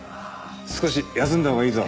少し休んだほうがいいぞ。